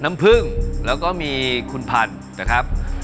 น้ำพึงแล้วก็คุณผันนะครับ